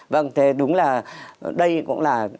vâng thế đúng là đây cũng là